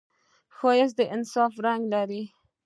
ښایست د انصاف رنګ لري